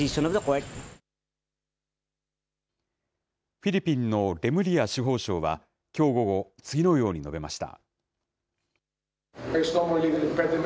フィリピンのレムリア司法相は、きょう午後、次のように述べました。